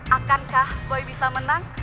akankah boy bisa menang